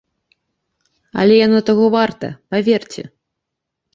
Але яно таго варта, паверце.